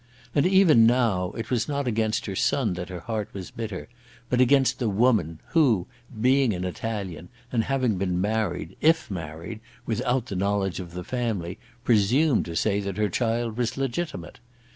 And, even now, it was not against her son that her heart was bitter, but against the woman, who, being an Italian, and having been married, if married, without the knowledge of the family, presumed to say that her child was legitimate.